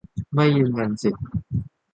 ไม่ยืนยันสิทธิ